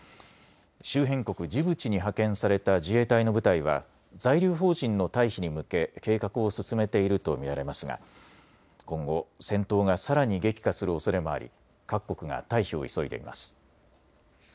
周辺国ジブチに派遣された自衛隊の部隊は在留邦人の退避に向け計画を進めていると見られますが今後、戦闘がさらに激化するおそれもあり各国が退避を急いでいます。